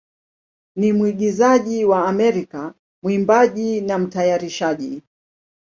ni mwigizaji wa Amerika, mwimbaji, na mtayarishaji.